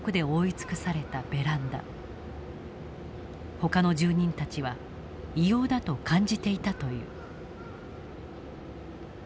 ほかの住人たちは異様だと感じていたという。